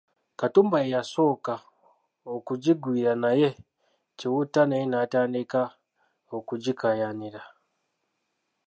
Katumba yeeyasooka okugigwira naye Kiwutta naye naatandika okugikayanira.